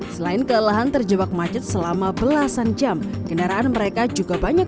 selain kelelahan terjebak macet selama belasan jam kendaraan mereka juga banyak